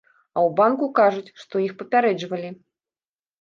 А ў банку кажуць, што іх папярэджвалі!